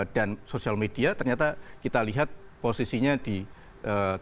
dan sosial media ternyata kita lihat posisinya di tiga teratas